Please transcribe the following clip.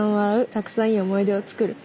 「たくさん良い思い出をつくる」。